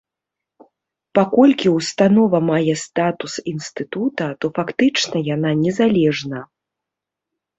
Паколькі ўстанова мае статус інстытута, то фактычна яна незалежна.